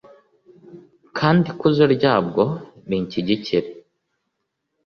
kandi ikuzo ryabwo rinshyigikire.